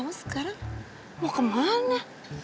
kamu sekarang mau kemana